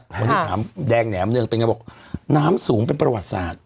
วันนี้ถามแดงแหนมเนืองเป็นไงบอกน้ำสูงเป็นประวัติศาสตร์